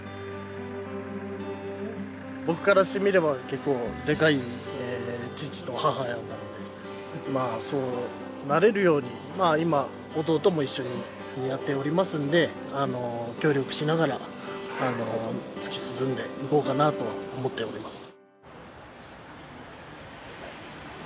僕からしてみれば結構でかい父と母やもんでまあそうなれるように今弟も一緒にやっておりますので協力しながら突き進んでいこうかなとは思っております。